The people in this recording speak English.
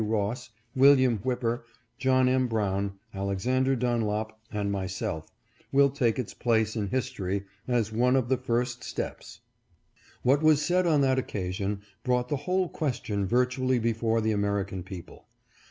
W. Ross, William Whipper, John M. Brown, Alexander Dunlop, and myself, will take its place ANSWER TO HIS SPEECH. 467 in history as one of the first steps. What was said on that occasion brought the whole question virtually before the American people.